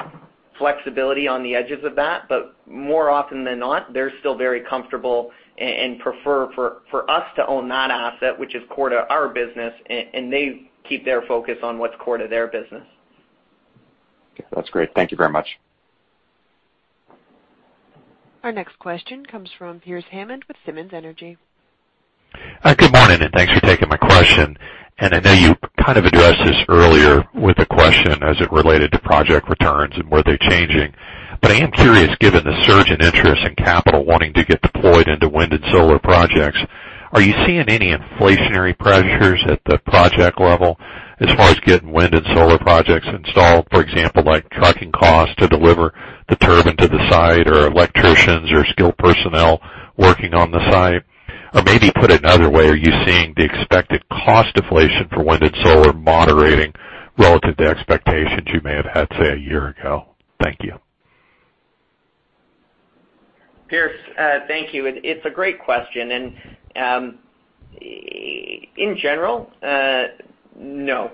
B: flexibility on the edges of that, but more often than not, they're still very comfortable and prefer for us to own that asset, which is core to our business, and they keep their focus on what's core to their business.
I: Okay. That's great. Thank you very much.
A: Our next question comes from Pearce Hammond with Simmons Energy.
J: Good morning, thanks for taking my question. I know you kind of addressed this earlier with a question as it related to project returns and were they changing, but I am curious, given the surge in interest in capital wanting to get deployed into wind and solar projects, are you seeing any inflationary pressures at the project level as far as getting wind and solar projects installed? For example, like trucking costs to deliver the turbine to the site or electricians or skilled personnel working on the site. Maybe put it another way, are you seeing the expected cost deflation for wind and solar moderating relative to expectations you may have had, say, a year ago? Thank you.
B: Pearce, thank you. It's a great question. In general, no.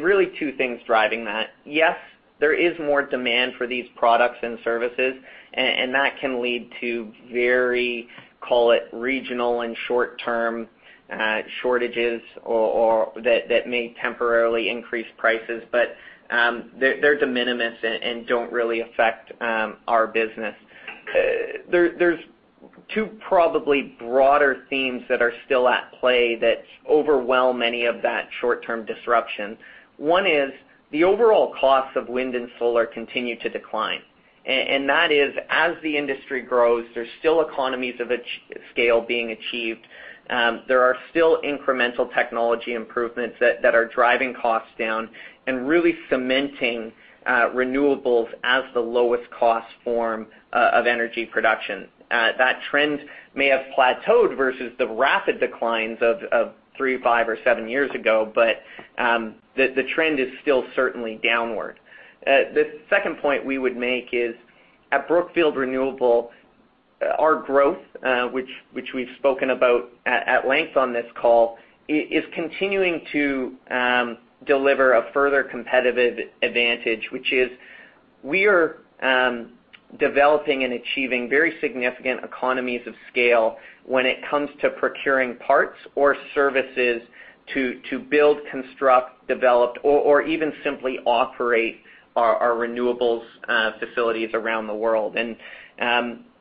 B: Really two things driving that. Yes, there is more demand for these products and services, and that can lead to very, call it, regional and short-term shortages that may temporarily increase prices. They're de minimis and don't really affect our business. There's two probably broader themes that are still at play that overwhelm any of that short-term disruption. One is the overall costs of wind and solar continue to decline. That is, as the industry grows, there's still economies of scale being achieved. There are still incremental technology improvements that are driving costs down and really cementing renewables as the lowest-cost form of energy production. That trend may have plateaued versus the rapid declines of three, five, or seven years ago, the trend is still certainly downward. The second point we would make is at Brookfield Renewable, our growth, which we've spoken about at length on this call, is continuing to deliver a further competitive advantage, which is we are developing and achieving very significant economies of scale when it comes to procuring parts or services to build, construct, develop, or even simply operate our renewables facilities around the world.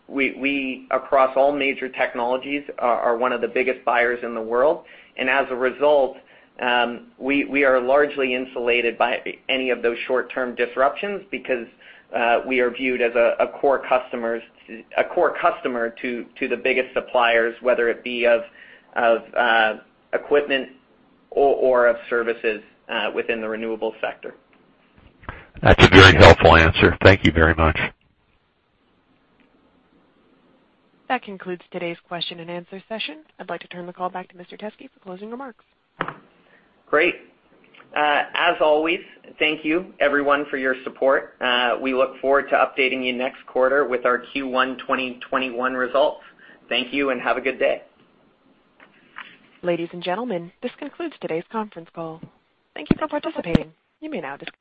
B: We, across all major technologies, are one of the biggest buyers in the world, and as a result, we are largely insulated by any of those short-term disruptions because we are viewed as a core customer to the biggest suppliers, whether it be of equipment or of services within the renewable sector.
J: That's a very helpful answer. Thank you very much.
A: That concludes today's question-and-answer session. I'd like to turn the call back to Mr. Teskey for closing remarks.
B: Great. As always, thank you everyone for your support. We look forward to updating you next quarter with our Q1 2021 results. Thank you and have a good day.
A: Ladies and gentlemen, this concludes today's conference call. Thank you for participating. You may now disconnect.